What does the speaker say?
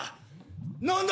何だ？